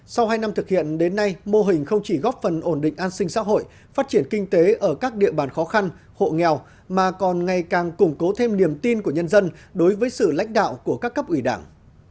sau hai năm thực hiện đến nay mô hình không chỉ góp phần ổn định an sinh xã hội phát triển kinh tế ở các địa bàn khó khăn hộ nghèo mà còn ngày càng củng cố thêm niềm tin của nhân dân đối với sự lãnh đạo của các cấp ủy đảng